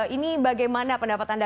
ini bagaimana pendapat anda